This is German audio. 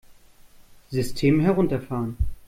System herunterfahren!